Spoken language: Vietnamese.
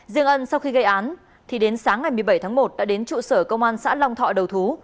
riêng ân sau khi gây án thì đến sáng ngày một mươi bảy tháng một đã đến trụ sở công an xã long thọ đầu thú